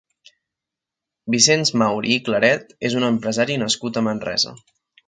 Vicenç Mauri i Claret és un empresari nascut a Manresa.